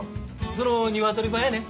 そのニワトリ版やね。